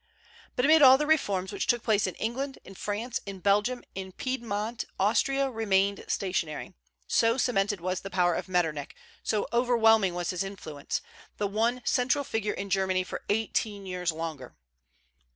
But amid all the reforms which took place in England, in France, in Belgium, in Piedmont, Austria remained stationary, so cemented was the power of Metternich, so overwhelming was his influence, the one central figure in Germany for eighteen years longer.